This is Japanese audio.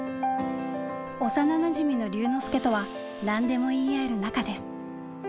幼なじみの龍之介とは何でも言い合える仲です。